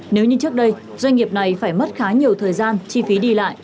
nếu như trước đây doanh nghiệp này phải mất khá nhiều thời gian chi phí đi lại